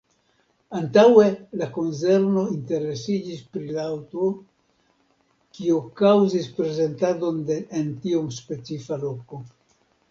Antaŭe la konzerno interesiĝis pri la aŭto, kio kaŭzis prezentadon en tiom specifa loko.